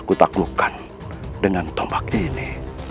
kutaklukan dengan tombak ini